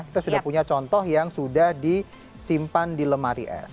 kita sudah punya contoh yang sudah disimpan di lemari es